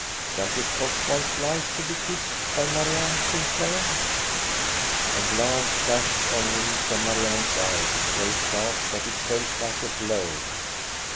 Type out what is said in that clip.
" Does it cost one's life to be kissed by Marianne Sinclair ?" A glance flashed on him from Marianne's eyes, so sharp that it felt like a blow.